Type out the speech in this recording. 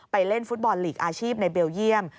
เล่นฟุตบอลลีกอาชีพในเบลเยี่ยม